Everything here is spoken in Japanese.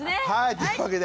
というわけで。